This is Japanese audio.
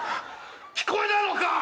聞こえないのか？